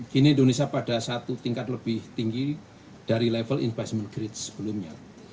kini indonesia pada satu tingkat lebih tinggi dari level investment grade sebelumnya